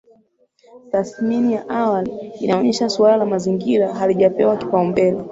Tathmini ya awali inaonesha suala la Mazingira halijapewa kipaumbele